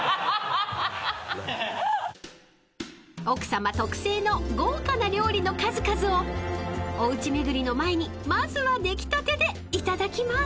［奥さま特製の豪華な料理の数々をおうち巡りの前にまずは出来たてでいただきます］